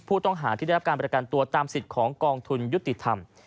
ผู้ต้องหาที่ได้รับการประกันตัวตามสิทธิ์ของกองทุนยุติธรรม